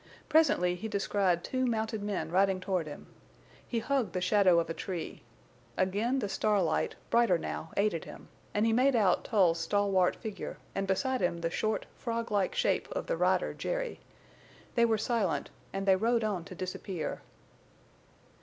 Presently he descried two mounted men riding toward him. He hugged the shadow of a tree. Again the starlight, brighter now, aided him, and he made out Tull's stalwart figure, and beside him the short, froglike shape of the rider Jerry. They were silent, and they rode on to disappear.